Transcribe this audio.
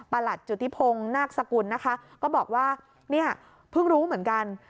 หลัดจุธิพงศ์นาคสกุลนะคะก็บอกว่าเนี่ยเพิ่งรู้เหมือนกัน